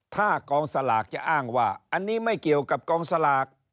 ถ้ากองสลากจะอ้างว่าอันนี้ไม่เกี่ยวกับกองสลาก